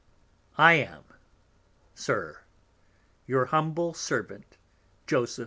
I am, SIR, Your humble Servant, _Dec.